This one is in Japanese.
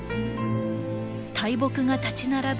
大木が立ち並ぶ